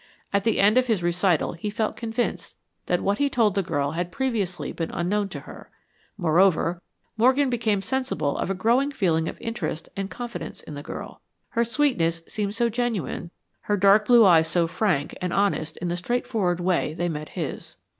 At the end of his recital, he felt convinced that what he told the girl had previously been unknown to her. Moreover, Morgan became sensible of a growing feeling of interest and confidence in the girl. Her sweetness seemed so genuine, her dark blue eyes so frank and honest in the straightforward way they met his.